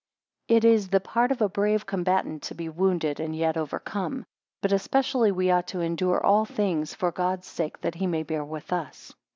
14 It is the part of a brave combatant to be wounded, and yet overcome. But especially we ought to endure all things for God's sake, that he may bear with us.